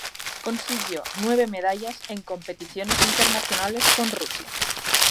Consiguió nueve medallas en competiciones internacionales con Rusia.